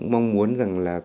mong muốn rằng là